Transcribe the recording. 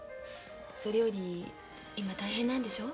それより今大変なんでしょう？